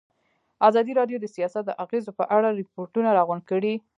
ازادي راډیو د سیاست د اغېزو په اړه ریپوټونه راغونډ کړي.